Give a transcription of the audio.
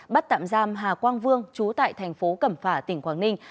bắt tạm giam hà quang vương chú tại thành phố cẩm phả tỉnh quảng ninh